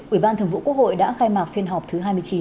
ủy ban thường vụ quốc hội đã khai mạc phiên họp thứ hai mươi chín